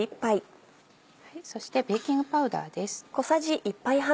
そしてベーキングパウダーです。